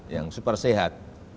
yang super sehat